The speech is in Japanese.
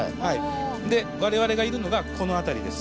で我々がいるのがこの辺りです。